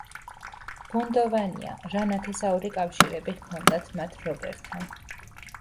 ბუნდოვანია რა ნათესაური კავშირები ჰქონდათ მათ რობერთან.